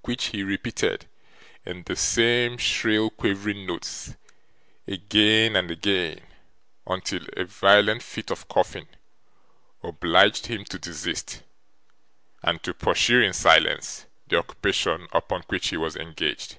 which he repeated, in the same shrill quavering notes, again and again, until a violent fit of coughing obliged him to desist, and to pursue in silence, the occupation upon which he was engaged.